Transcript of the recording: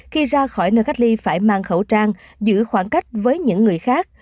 khi ra khỏi nơi cách ly phải mang khẩu trang giữ khoảng cách với những người khác